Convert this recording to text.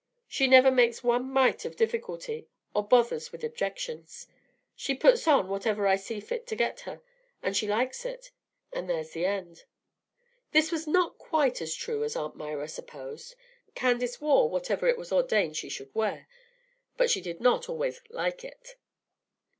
She never makes one mite of difficulty, or bothers with objections. She just puts on whatever I see fit to get her; and she likes it, and there's the end." This was not quite as true as Aunt Myra supposed. Candace wore whatever it was ordained that she should wear, but she did not always "like" it.